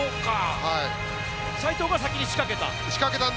斎藤が先に仕掛けたと。